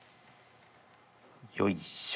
よいしょ。